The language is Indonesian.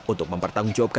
untuk mempertanggung jawab